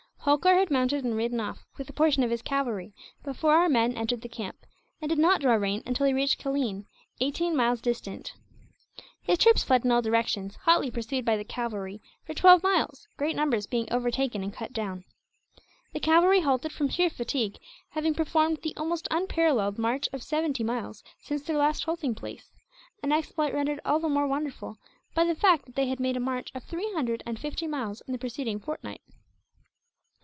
Holkar had mounted and ridden off, with a portion of his cavalry, before our men entered the camp; and did not draw rein until he reached Caline, eighteen miles distant. His troops fled in all directions, hotly pursued by the cavalry, for twelve miles; great numbers being overtaken and cut down. The cavalry halted from sheer fatigue, having performed the almost unparalleled march of seventy miles since their last halting place; an exploit rendered all the more wonderful by the fact that they had made a march of three hundred and fifty miles in the preceding fortnight.